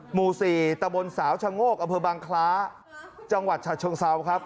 หมู่๔ตะบนสาวชะโงกอำเภอบังคล้าจังหวัดฉะเชิงเซาครับ